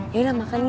yaudah makan ya